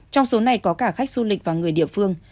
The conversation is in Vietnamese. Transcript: trong số này có cả khách du lịch và người địa phương